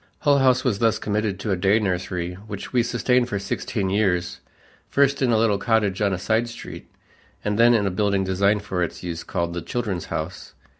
Hull House was thus committed to a day nursery which we sustained for sixteen years first in a little cottage on a side street and then in a building designed for its use called the Children's House.